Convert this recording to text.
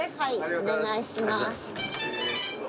お願いします。